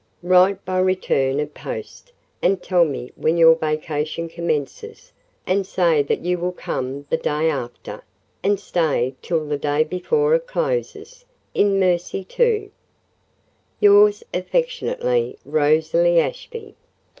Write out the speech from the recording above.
Write by return of post, and tell me when your vacation commences, and say that you will come the day after, and stay till the day before it closes—in mercy to "Yours affectionately, "ROSALIE ASHBY."